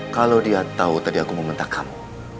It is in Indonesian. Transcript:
kalau dia tau tadi aku mau minta kamu